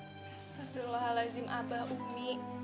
astagfirullahaladzim abah umi